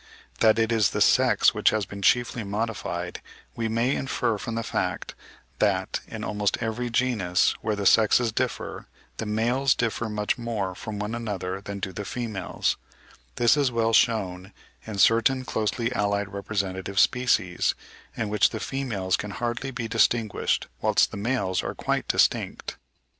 That it is this sex which has been chiefly modified, we may infer from the fact that, in almost every genus where the sexes differ, the males differ much more from one another than do the females; this is well shewn in certain closely allied representative species, in which the females can hardly be distinguished, whilst the males are quite distinct.